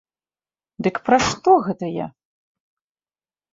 Дык пра што гэта я?